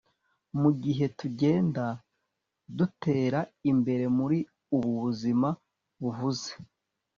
mugihe tugenda dutera imbere muri ubu buzima buhuze